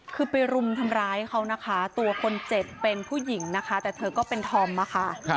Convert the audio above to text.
คือไปรุมทำร้ายเขานะคะตัวคนเจ็บเป็นผู้หญิงนะคะแต่เธอก็เป็นธอมอะค่ะ